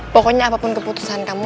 pokoknya apapun keputusan kamu